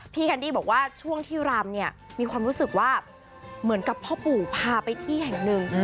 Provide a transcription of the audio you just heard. แคนดี้บอกว่าช่วงที่รำเนี่ยมีความรู้สึกว่าเหมือนกับพ่อปู่พาไปที่แห่งหนึ่ง